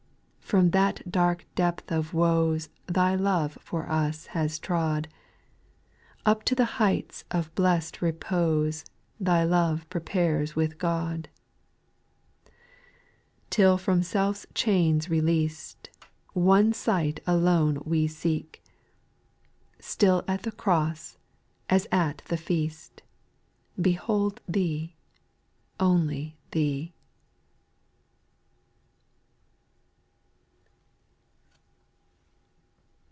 5. From that dark depth of woes Thy love for us has trod, Up to the heights of bless'd repose Thy love prepares with God ;— 6. Till from self's chains released, One sight alone we see. Still at the cross, as at the feast, Behold Thee, only Thee.